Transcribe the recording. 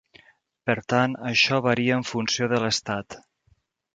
Per tant, això varia en funció de l'estat.